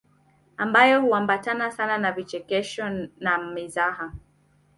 Ambayo huambatana sana na vichekesho na mizaha